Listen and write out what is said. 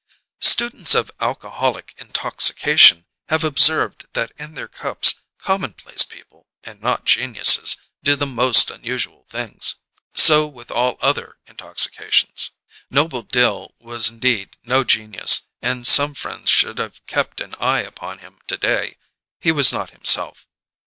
Students of alcoholic intoxication have observed that in their cups commonplace people, and not geniuses, do the most unusual things. So with all other intoxications. Noble Dill was indeed no genius, and some friend should have kept an eye upon him to day; he was not himself.